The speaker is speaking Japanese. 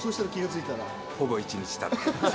ほぼ１日たってます。